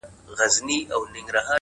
دا دی د مرګ- و دایمي محبس ته ودرېدم -